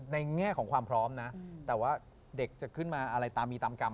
แง่ของความพร้อมนะแต่ว่าเด็กจะขึ้นมาอะไรตามมีตามกรรม